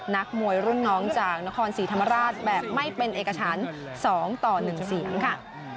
นักมวยรุ่นน้องจากนครศรีธรรมราชแบบไม่เป็นเอกชั้น๒ต่อ๑เสียงค่ะ